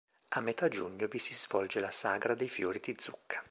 A metà giugno vi si svolge la "Sagra dei fiori di zucca".